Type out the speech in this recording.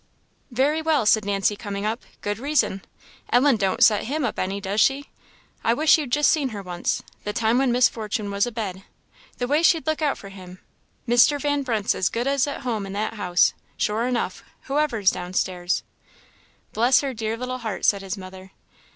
"Very well!" said Nancy, coming up "good reason! Ellen don't set him up any, does she? I wish you'd just seen her once, the time when Miss Fortune was a bed the way she'd look out for him! Mr. Van Brunt's as good as at home in that house, sure enough; whoever's down stairs." "Bless her dear little heart!" said his mother.